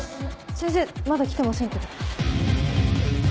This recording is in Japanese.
先生まだ来てませんけど。